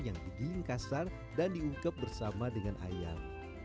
yang digilingkasan dan diungkep bersama dengan ayam